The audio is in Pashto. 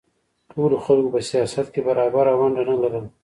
ټولو خلکو په سیاست کې برابره ونډه نه لرله